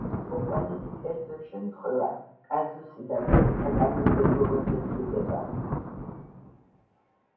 მოყვანილი კერძო შემთხვევა, კაზუსი და მისი საკანონმდებლო მოწესრიგება.